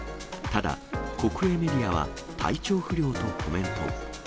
ただ、国営メディアは、体調不良とコメント。